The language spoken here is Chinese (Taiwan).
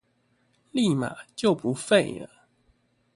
立馬就不廢了